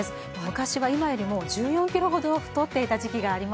昔は今よりも１４キロほど太っていた時期がありまして。